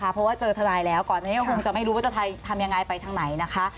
เพราะว่าเจอทนายแล้วก่อนอันนี้ก็คงจะไม่รู้ว่าจะทำยังไงไปทางไหนนะคะ